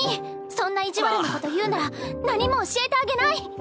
そんな意地悪なこと言うなら何も教えてあげない！